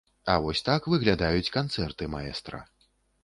А вось так выглядаюць канцэрты маэстра.